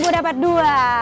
lima dapat dua